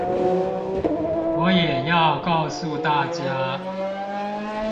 我也要告訴大家